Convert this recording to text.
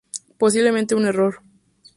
Posiblemente un error.